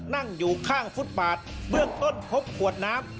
นั่งอยู่ข้างฟุตบาทเบื้องต้นพบขวดน้ำ